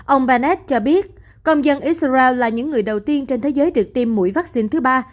ông banet cho biết công dân israel isura là những người đầu tiên trên thế giới được tiêm mũi vaccine thứ ba